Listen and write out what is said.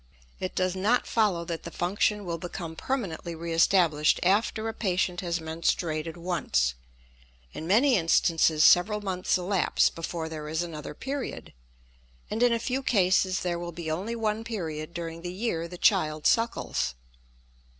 It does not follow that the function will become permanently reestablished after a patient has menstruated once; in many instances several months elapse before there is another period, and in a few cases there will be only one period during the year the child suckles.